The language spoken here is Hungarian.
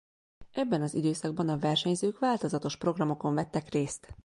Ebben az időszakban a versenyzők változatos programokon vettek részt.